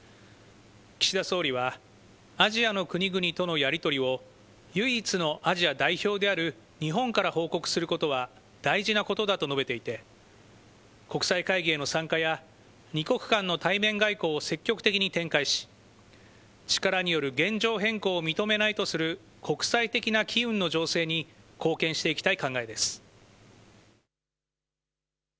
岸田総理は、アジアの国々とのやり取りを唯一のアジア代表である日本から報告することは大事なことだと述べていて、国際会議への参加や、二国間の対面外交を積極的に展開し、力による現状変更を認めないとする国際的な機運の醸成に貢献していきたい考えです。